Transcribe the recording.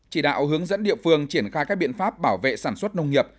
chỉ đạo hướng dẫn địa phương triển khai các biện pháp bảo vệ sản xuất nông nghiệp